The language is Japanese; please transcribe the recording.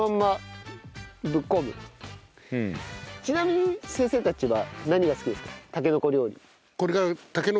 ちなみに先生たちは何が好きですか？